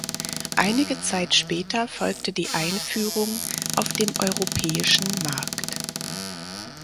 Einige Zeit später folgte die Einführung auf dem europäischen Markt.